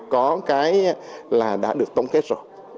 có cái là đã được tổng kết rồi